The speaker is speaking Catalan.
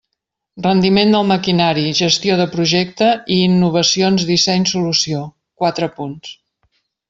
Rendiment del maquinari, Gestió de projecte i Innovacions disseny solució: quatre punts.